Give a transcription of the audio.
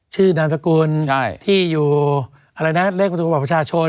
ชื่อนามสกุลที่อยู่อะไรนะเลขมันถูกบอกประชาชน